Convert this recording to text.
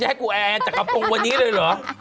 ให้กูแอนจักรพงศ์วันนี้เลยเหรอ